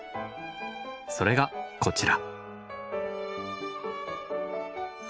それがこちら。